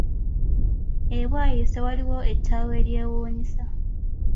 E Bwaise waliwo ettaawo eryewuunyisa.